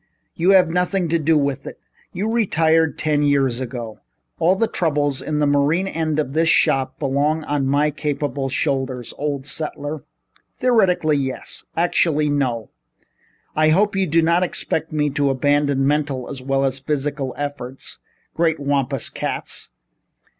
You have nothing to do with it. You retired ten years ago. All the troubles in the marine end of this shop belong on my capable shoulders, old settler." "Theoretically yes. Actually no. I hope you do not expect me to abandon mental as well as physical effort. Great Wampus Cats!